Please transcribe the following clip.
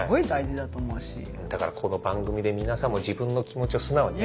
だからこの番組で皆さんも自分の気持ちを素直にね。